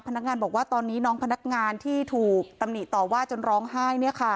พนักงานบอกว่าตอนนี้น้องพนักงานที่ถูกตำหนิต่อว่าจนร้องไห้